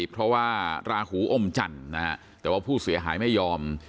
เพราะว่าราหูอมจันทร์นะฮะแต่ว่าผู้เสียหายไม่ยอม